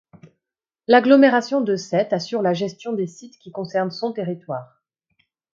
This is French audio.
L'agglomération de Sète assure la gestion des sites qui concernent son territoire.